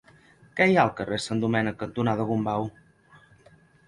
Què hi ha al carrer Sant Domènec cantonada Gombau?